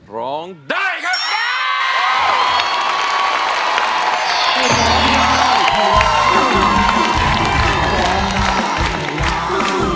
ร้องเดินแบบนี้ค่ะ